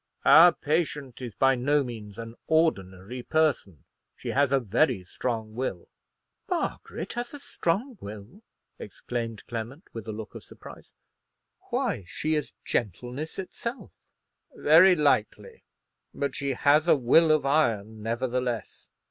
Our patient is by no means an ordinary person She has a very strong will." "Margaret has a strong will!" exclaimed Clement, with a look of surprise; "why, she is gentleness itself." "Very likely; but she has a will of iron, nevertheless.